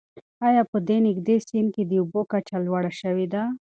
آیا په دې نږدې سیند کې د اوبو کچه لوړه شوې ده؟